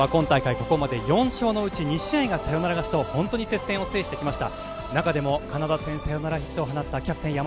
ここまで４勝のうち２試合がサヨナラ勝ちと本当に接戦を制してきました。